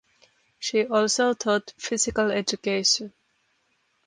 She also taught physical education.